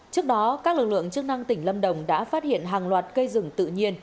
trước đó các lực lượng chức năng tỉnh lâm đồng đã phát hiện hàng loạt cây rừng tự nhiên